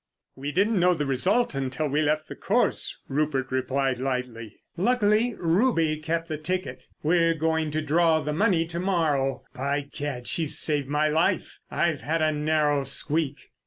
"We didn't know the result until we left the course," Rupert replied lightly. "Luckily, Ruby kept the ticket. We're going to draw the money to morrow. By gad, she's saved my life! I've had a narrow squeak."